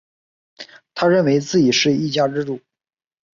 他认为自己是一家之主